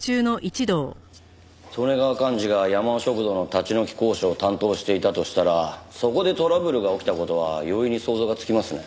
利根川寛二がやまお食堂の立ち退き交渉を担当していたとしたらそこでトラブルが起きた事は容易に想像がつきますね。